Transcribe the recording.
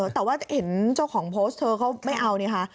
แต่ว่าเห็นเจ้าของโพสต์เธอก็ไม่เอานี่ค่ะ